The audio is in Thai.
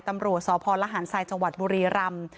ตำรวจสพลหารทรายจังหวัดบุรีรำ